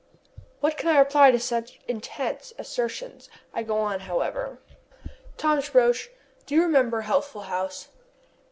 What can I reply to such insensate assertions? I, however, go on: "Thomas Roch, do you remember Healthful House?"